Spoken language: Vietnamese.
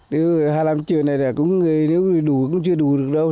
từ hai mươi năm triệu này nếu đủ cũng chưa đủ được đâu